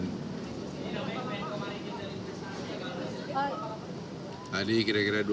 tadi kira kira dua puluh menit